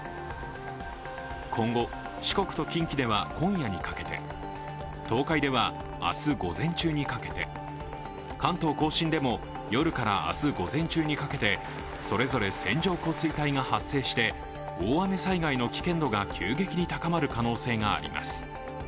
今後、四国と近畿では今夜にかけて、東海では明日午前中にかけて、関東甲信でも夜から明日午前中にかけてそれぞれ線状降水帯が発生して大雨災害の危険度が急激に高まる可能性があります。